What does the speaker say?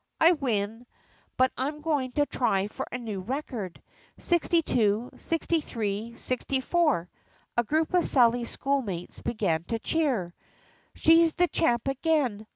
I win! But I 'm going to try for a new record. Sixty two, sixty three, sixty four, —" A group of Sally's schoolmates began to cheer: "She 's the champ again